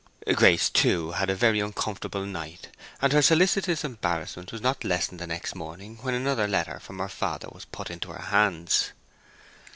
Grace, too, had a very uncomfortable night, and her solicitous embarrassment was not lessened the next morning when another letter from her father was put into her hands.